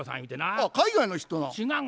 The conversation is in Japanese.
あっ海外の人なん。